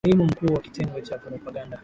ni kaimu mkuu wa kitengo cha propaganda